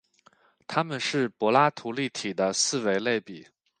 它们是柏拉图立体的四维类比。